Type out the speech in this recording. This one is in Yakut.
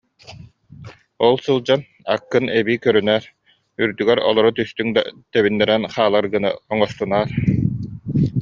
Ол сылдьан аккын эбии көрүнээр, үрдүгэр олоро түстүҥ да, тэбиннэрэн хаалар гына оҥостунаар